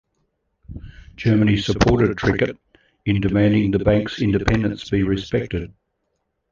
Germany supported Trichet in demanding the bank's independence be respected.